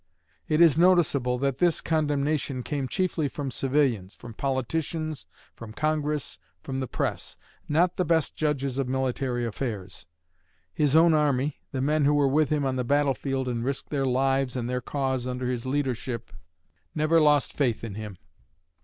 It is noticeable that this condemnation came chiefly from civilians from politicians, from Congress, from the press: not the best judges of military affairs. His own army the men who were with him on the battlefield and risked their lives and their cause under his leadership never lost faith in him.